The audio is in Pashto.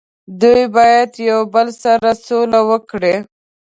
دوي باید یو د بل سره سوله وکړي